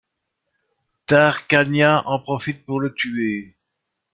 Tarkanian en profite pour le tuer.